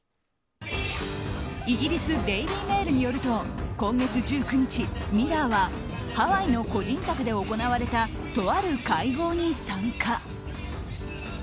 イギリスデイリー・メールによると今月１９日、ミラーはハワイの個人宅で行われたとある会合に参加。